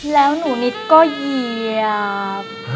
แล้วหนูนิดก็เหยียบ